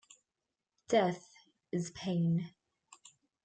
Death is pain.